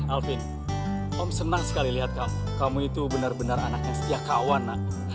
alvin om senang sekali lihat kamu kamu itu benar benar anak yang setia kawan nak